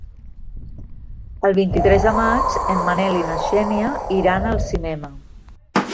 El vint-i-tres de maig en Manel i na Xènia iran al cinema.